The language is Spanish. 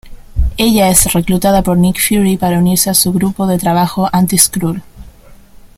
Ella es reclutada por Nick Fury para unirse a su grupo de trabajo anti-skrull.